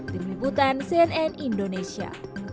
tim liputan cnn indonesia